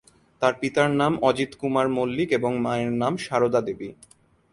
তার পিতার নাম অজিত কুমার মল্লিক এবং মায়ের নাম সারদা দেবী।